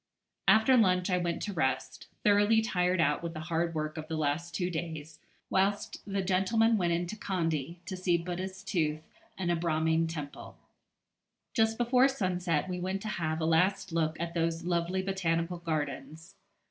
After lunch I went to rest, thoroughly tired out with the hard work of the last two days, whilst the gentlemen went into Kandy, to see Buddha's tooth and a Brahmin temple. Just before sunset we went to have a last look at those lovely Botanical Gardens.